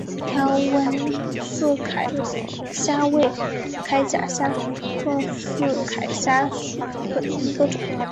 条纹刺铠虾为铠甲虾科刺铠虾属下的一个种。